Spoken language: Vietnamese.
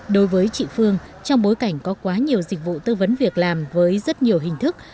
đối với chị phương trong bối cảnh có quá nhiều dịch vụ tư vấn việc làm với rất nhiều hình thức